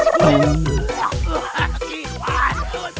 ขี้ควาย